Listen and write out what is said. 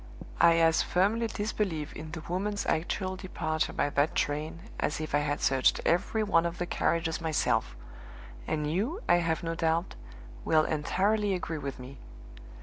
I as firmly disbelieve in the woman's actual departure by that train as if I had searched every one of the carriages myself; and you, I have no doubt, will entirely agree with me.